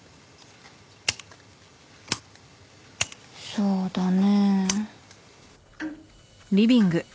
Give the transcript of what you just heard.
そうだね。